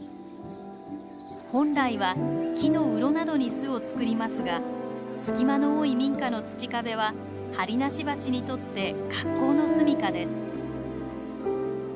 本来は木のうろなどに巣を作りますが隙間の多い民家の土壁はハリナシバチにとって格好のすみかです。